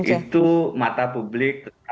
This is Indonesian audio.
itu mata publik